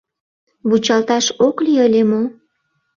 Вучалташ ок лий ыле мо?